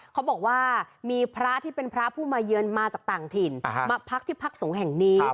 เขาบอกว่ามีพระที่เป็นพระผู้มาเยือนมาจากต่างถิ่นมาพักที่พักสงฆ์แห่งนี้